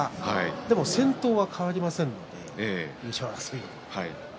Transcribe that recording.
でも先頭は変わりませんので優勝争いの。